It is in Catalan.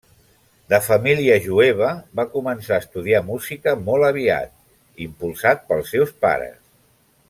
De família jueva, va començar a estudiar música molt aviat, impulsat pels seus pares.